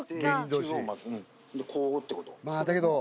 だけど。